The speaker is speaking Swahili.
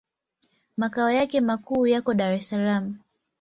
Makao yake makuu yako Dar es Salaam.